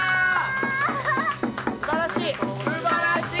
すばらしい！